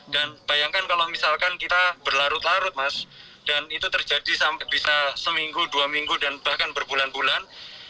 dan bayangkan kalau misalkan kita berlarut larut mas dan itu terjadi sampai bisa seminggu dua minggu dan bahkan berbulan bulan